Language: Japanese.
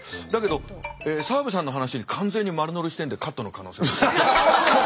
だけど澤部さんの話に完全に丸乗りしてるんでカットの可能性が。